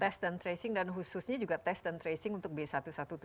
test dan tracing dan khususnya juga test dan tracing untuk b satu ratus tujuh belas ya